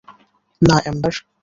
না, এম্বার।